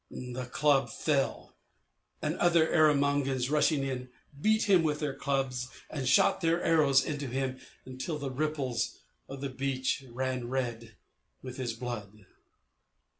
The club fell, and other Erromangans, rushing in, beat him with their clubs and shot their arrows into him until the ripples of the beach ran red with his blood.